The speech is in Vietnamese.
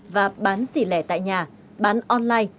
và bán xỉ lẻ tại nhà bán online